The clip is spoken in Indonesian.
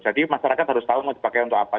jadi masyarakat harus tau mau dipakai untuk apa